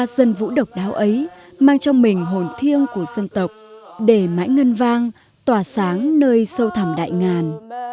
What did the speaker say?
dân vũ độc đáo ấy mang trong mình hồn thiêng của dân tộc để mãi ngân vang tỏa sáng nơi sâu thẳm đại ngàn